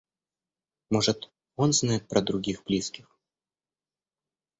Может, он знает про других близких.